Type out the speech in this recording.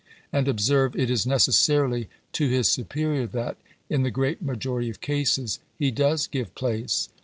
And, observe, it is necessarily to his superior that, in the great majority of cases, he does give place.